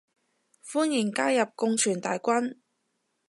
歡迎加入共存大軍